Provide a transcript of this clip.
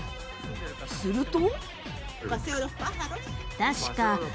すると。